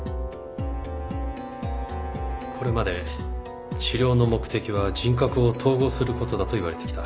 これまで治療の目的は人格を統合することだといわれてきた。